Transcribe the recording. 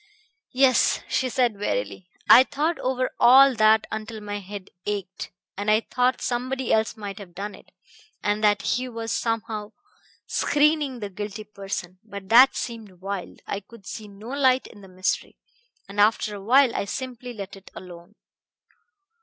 "Yes," she said wearily, "I thought over all that until my head ached. And I thought somebody else might have done it, and that he was somehow screening the guilty person. But that seemed wild. I could see no light in the mystery, and after a while I simply let it alone.